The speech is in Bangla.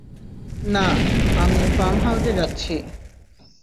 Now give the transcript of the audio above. না, আমি ফার্ম হাউজে যাচ্ছি।